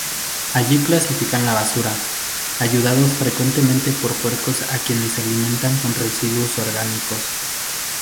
Allí clasifican la basura, ayudados frecuentemente por puercos a quienes alimentan con residuos orgánicos.